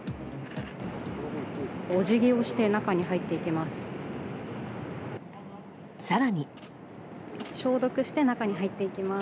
お辞儀をして中に入っていきます。